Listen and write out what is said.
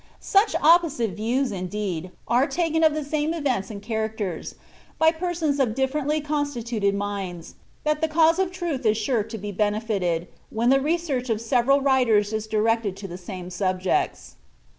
Such opposite views, indeed, are taken of the same events and characters, by persons of difierently constituted minds, that the cause of truth is sure to be benefited, when the re search of several writers is directed to tlie same subjects.